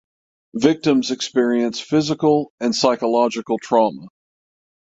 Victims experience physical and psychological trauma.